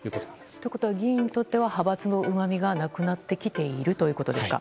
ということは議員にとっては派閥のうまみがなくなってきているということですか。